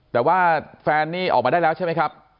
แต่ว่าแฟนนี่ออกมาได้แล้วใช่ไหมครับ